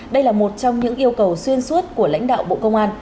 đây là một trong những yêu cầu xuyên suốt của lãnh đạo bộ công an